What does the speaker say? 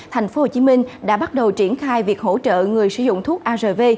tp hcm đã bắt đầu triển khai việc hỗ trợ người sử dụng thuốc arv